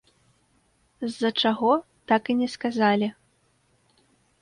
З-за чаго, так і не сказалі.